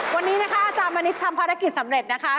วันนี้นะคะอาจารย์มณิษฐ์ทำภารกิจสำเร็จนะคะ